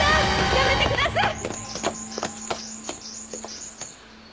やめてください！